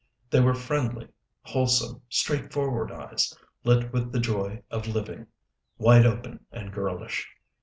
They were friendly, wholesome, straightforward eyes, lit with the joy of living; wide open and girlish.